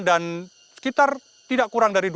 dan sekitar tidak kurang dari sepuluh meter